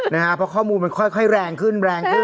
เพราะข้อมูลมันค่อยแรงขึ้น